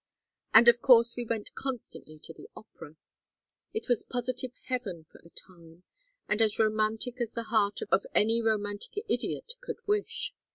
And of course we went constantly to the opera. It was positive heaven for a time, and as romantic as the heart of any romantic idiot could wish.